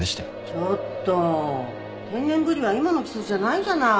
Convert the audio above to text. ちょっと天然ブリは今の季節じゃないじゃない！